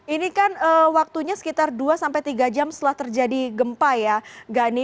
ini kan waktunya sekitar dua sampai tiga jam setelah terjadi gempa ya gani